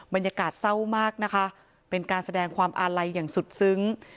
บรรยากาศเศร้ามากนะคะเป็นการแสดงความอาลัยอย่างสุดซึ้ง